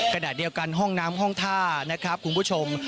ขณะเดียวกันห้องน้ำห้องท่านะครับคุณผู้ชม